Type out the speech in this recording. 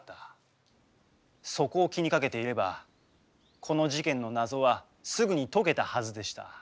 そこを気にかけていればこの事件の謎はすぐに解けたはずでした。